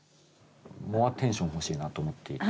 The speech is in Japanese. モアテンション欲しいなと思っていて。